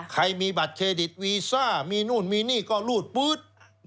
ใครมีบัตรเครดิตวีซ่ามีนู่นมีนี่ก็รูดปื๊ด